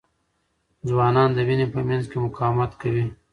ځوانان د وینې په مینځ کې مقاومت کوي.